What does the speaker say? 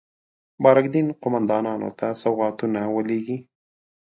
بارک دین قوماندانانو ته سوغاتونه ولېږي.